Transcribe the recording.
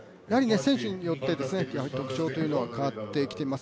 選手によって、特徴というのは変わってきています。